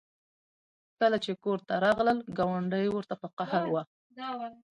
کله چې کور ته راغلل ګاونډۍ ورته په قهر وه